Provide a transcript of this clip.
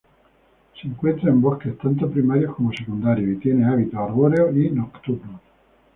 Se encuentra en bosques, tanto primarios como secundarios, y tiene hábitos arbóreos y nocturnos.